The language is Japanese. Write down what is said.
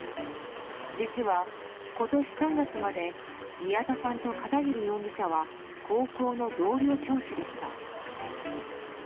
実は今年３月まで宮田さんと片桐容疑者は高校の同僚教師でした。